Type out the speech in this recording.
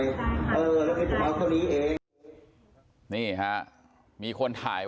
เอ่อตัดนี้ฟอแท้ไม่ต้องหรอกครับ